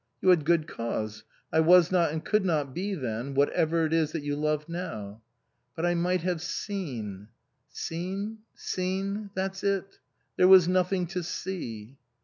" You had good cause. I was not and could not be then whatever it is that you love now." " But I might have seen "" Seen? Seen ? That's it. There was nothing to see."